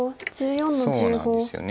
そうなんですよね。